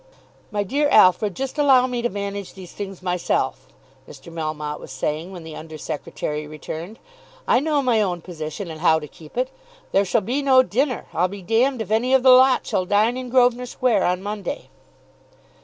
"My dear Alfred, just allow me to manage these things myself," Mr. Melmotte was saying when the under secretary returned. "I know my own position and how to keep it. There shall be no dinner. I'll be d if any of the lot shall dine in Grosvenor Square on Monday."